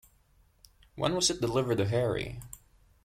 When was it delivered to Harry?